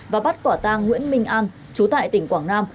và bắt quả tang nguyễn minh an chú tại tỉnh quảng nam